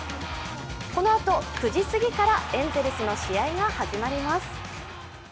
このあと９時すぎからエンゼルスの試合が始まります。